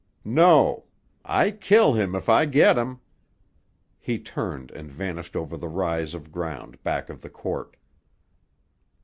"No. I kill him if I get him!" He turned and vanished over the rise of ground back of the court.